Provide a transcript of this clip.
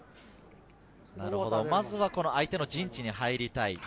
まずは相手の陣地に入りたい。